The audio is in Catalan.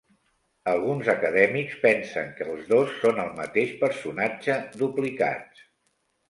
Alguns acadèmics pensen que els dos són el mateix personatge, duplicats.